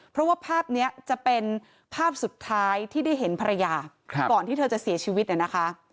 เพราะว่าภาพนี้จะเป็นภาพสุดท้ายที่ได้เห็นภรรยาก่อนที่เธอจะเสียชีวิตเนี่ยนะคะ